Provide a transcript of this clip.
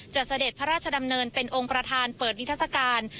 เสด็จพระราชดำเนินเป็นองค์ประธานเปิดนิทัศกาล